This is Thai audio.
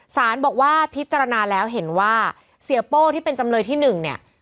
สารบอกว่าพิจารณาแล้วเห็นว่าเสียโป้ที่เป็นจำเลยที่๑เนี่ย